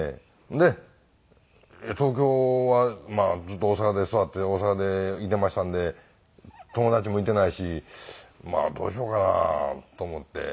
で東京はずっと大阪で育って大阪でいてましたんで友達もいてないしどうしようかなと思って。